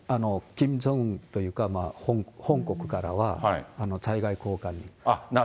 キム・ジョンウンというか、本国からは在外高官に。